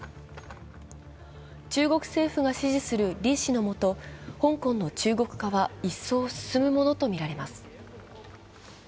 中国政府が支持する李氏の下香港の中国化は一層進むものと見られます。